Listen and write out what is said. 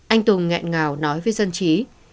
anh tùng ngẹn ngào nói với dân chí